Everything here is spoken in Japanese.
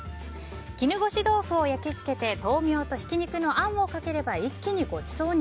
絹ごし豆腐を焼き付けて豆苗とひき肉のあんをかければ一気にごちそうに。